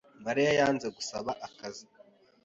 Mariya yanze gusaba akazi.